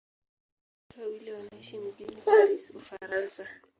Wote wawili wanaishi mjini Paris, Ufaransa.